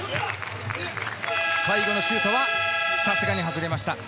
最後のシュートはさすがに外れました。